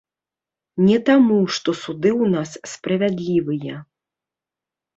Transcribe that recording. Не таму, што суды ў нас справядлівыя.